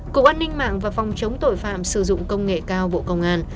cục an ninh mạng và phòng chống tội phạm sử dụng công nghệ cao bộ công an